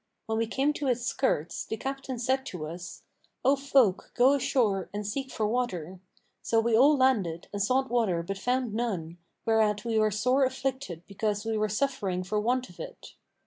When we came to its skirts, the Captain said to us, 'O folk, go ashore and seek for water.' So we all landed and sought water but found none, whereat we were sore afflicted because we were suffering for want of it.